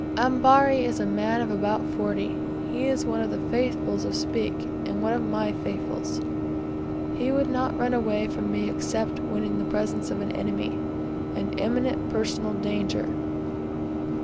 Ambari is a man of about forty. He is one of the "Faithfuls" of Speke, and one of my Faithfuls. He would not run away from me except when in the presence of an enemy, and imminent personal danger.